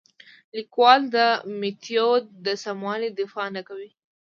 لیکوال د میتود د سموالي دفاع نه کوي.